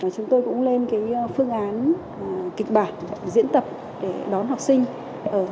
chúng tôi cũng lên phương án kịch bản diễn tập để đón học sinh ở khu vực cổng trường